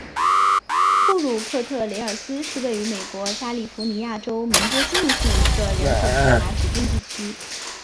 布鲁克特雷尔斯是位于美国加利福尼亚州门多西诺县的一个人口普查指定地区。